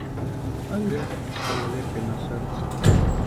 Але стала лепей на сэрцы.